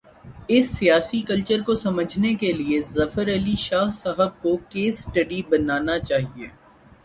اس سیاسی کلچر کو سمجھنے کے لیے، ظفر علی شاہ صاحب کو "کیس سٹڈی" بنا نا چاہیے۔